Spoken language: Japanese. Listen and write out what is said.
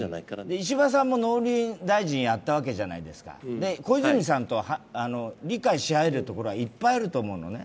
石破さんも農林大臣やったわけじゃないですか小泉さんとは理解し合えるところはいっぱいあると思うのね。